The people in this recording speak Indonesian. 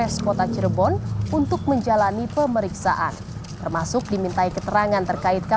suhar sono mengaku dirinya dan pegi sedang membangun peristiwa